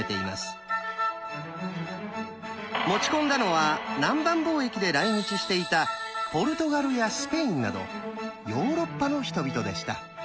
持ち込んだのは南蛮貿易で来日していたポルトガルやスペインなどヨーロッパの人々でした。